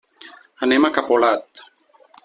Anem a Capolat.